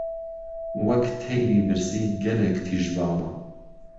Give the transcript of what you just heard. وەک تهیری برسی گهلێک تیژباڵه